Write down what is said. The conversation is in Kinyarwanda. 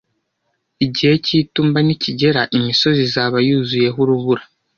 Igihe cy'itumba nikigera, imisozi izaba yuzuyeho urubura.